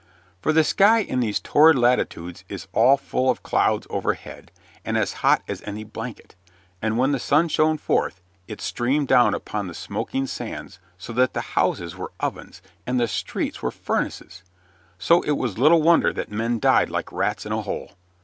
For the sky in these torrid latitudes is all full of clouds overhead, and as hot as any blanket, and when the sun shone forth it streamed down upon the smoking sands so that the houses were ovens and the streets were furnaces; so it was little wonder that men died like rats in a hole.